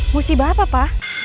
musibah apa pa